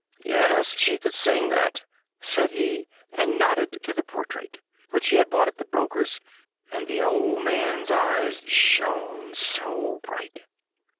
"Yes, she could sing that!" said he, and nodded to the portrait, which he had bought at the broker's, and the old man's eyes shone so bright!